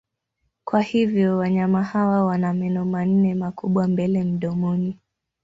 Kwa hivyo wanyama hawa wana meno manne makubwa mbele mdomoni.